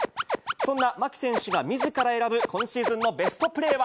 そんな牧選手がみずから選ぶ、今シーズンのベストプレーは。